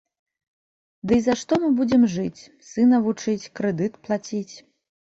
Дый за што мы будзем жыць, сына вучыць, крэдыт плаціць?